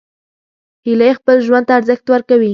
هیلۍ خپل ژوند ته ارزښت ورکوي